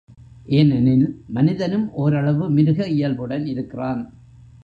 ஏனெனில், மனிதனும் ஓரளவு மிருக இயல்புடன் இருக்கிறான்.